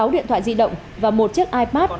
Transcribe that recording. sáu điện thoại di động và một chiếc ipad